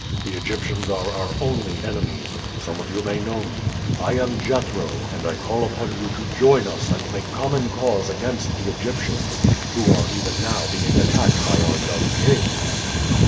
The Egyptians are our only enemies. Some of you may know me. I am Jethro, and I call upon you to join us and make common cause against the Egyptians, who are even now being attacked by our young king."